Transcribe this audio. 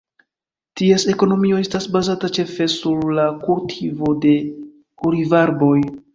Ties ekonomio estas bazata ĉefe sur la kultivo de olivarboj.